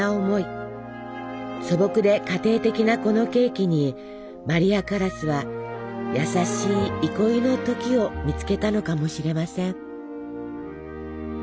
素朴で家庭的なこのケーキにマリア・カラスは優しい憩いの時を見つけたのかもしれません。